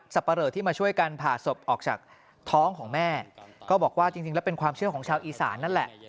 ปะเลอที่มาช่วยกันผ่าศพออกจากท้องของแม่ก็บอกว่าจริงแล้วเป็นความเชื่อของชาวอีสานนั่นแหละ